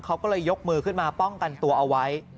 เขาก็เลยยกมือขึ้นมาป้องกันตัวเอาไว้